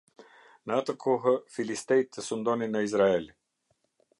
Në atë kohë, Filistejtë sundonin në Izrael.